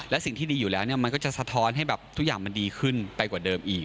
และสิ่งที่ดีอยู่แล้วมันก็จะสะท้อนให้แบบทุกอย่างมันดีขึ้นไปกว่าเดิมอีก